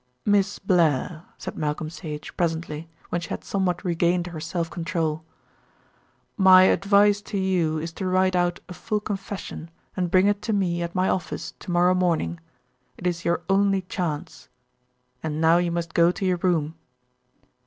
"Miss Blair," said Malcolm Sage presently, when she had somewhat regained her self control, "my advice to you is to write out a full confession and bring it to me at my office to morrow morning. It is your only chance: and now you must go to your room."